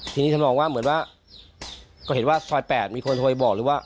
ทีนี้ทำนองว่าเหมือนว่าก็เห็นว่าซอย๘มีคนโทรไปบอกเลยว่า